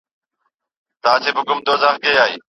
موزيم له ډېر وخته زړې خزانې ټولوي.